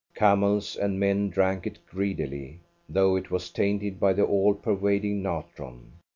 Camels and men drank it greedily, though it was tainted by the all pervading natron.